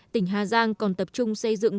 tỉnh hà giang còn tập trung xây dựng